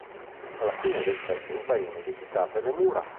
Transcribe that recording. Alla fine del secolo vengono edificate le mura.